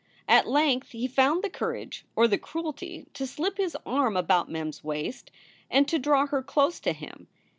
At length he found the courage or the cruelty to slip his arm about Mem s waist and to draw her close to him.